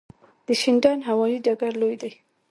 د شینډنډ هوايي ډګر لوی دی